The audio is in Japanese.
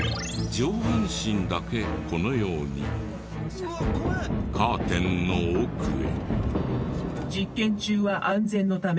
上半身だけこのようにカーテンの奥へ。